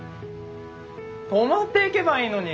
泊まっていけばいいのに。